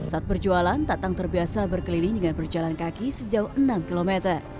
saat perjualan tatang terbiasa berkeliling dengan berjalan kaki sejauh enam km